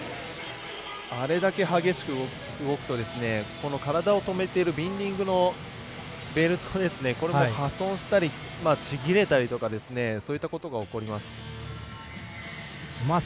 あれだけ激しく動くと体をとめているビンディングのベルト、これが破損したりちぎれたりとかが起こります。